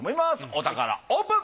お宝オープン。